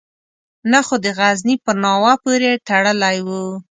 نه خو د غزني په ناوه پورې تړلی وو.